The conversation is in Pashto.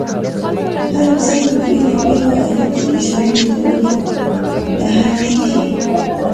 هر انسان په بېلا بېلو حالاتو کې ژوند تېرولو ته اړ کېږي.